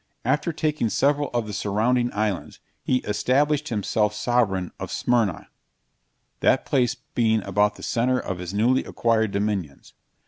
After taking several of the surrounding islands, he established himself sovereign of Smyrna, that place being about the centre of his newly acquired dominions.